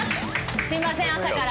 すいません朝から。